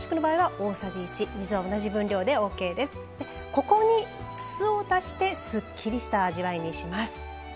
ここに酢を足してすっきりした味わいにします。